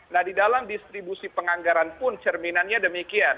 nah di dalam distribusi penganggaran pun cerminannya demikian